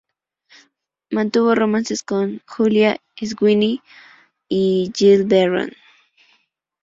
Mantuvo romances con Julia Sweeney y Jill Barron.